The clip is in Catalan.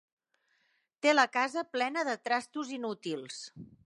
Té la casa plena de trastos inútils.